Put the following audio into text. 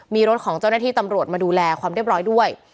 มีรถของเจ้าหน้าที่ตำรวจมาดูแลความเรียบร้อยด้วย